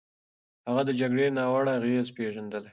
هغه د جګړې ناوړه اغېزې پېژندلې.